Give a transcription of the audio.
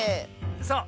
そう。